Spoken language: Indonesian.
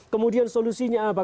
kemudian solusinya apa